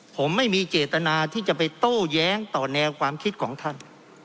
ผมไม่มีเจตนาที่จะไปโต้แย้งต่อแนวความคิดของท่าน